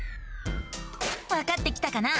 わかってきたかな？